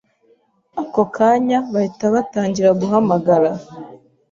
ako kanya bahita batangira guhamagara